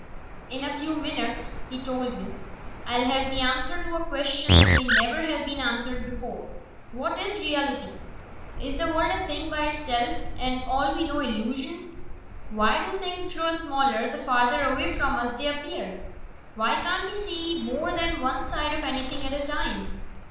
"In a few minutes," he told me, "I'll have the answer to a question that may never have been answered before: what is reality? Is the world a thing by itself, and all we know illusion? Why do things grow smaller the farther away from us they appear? Why can't we see more than one side of anything at a time?